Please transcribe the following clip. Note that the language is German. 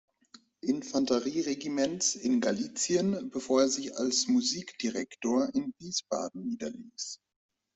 Infanterieregiments in Galizien, bevor er sich als Musikdirektor in Wiesbaden niederließ.